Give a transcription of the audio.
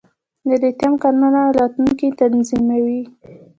د لیتیم کانونه راتلونکی تضمینوي